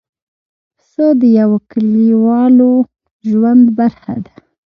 پسه د یوه کلیوالو ژوند برخه ده.